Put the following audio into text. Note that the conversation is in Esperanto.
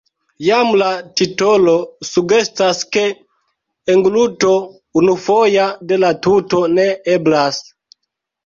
Jam la titolo sugestas, ke engluto unufoja de la tuto ne eblas.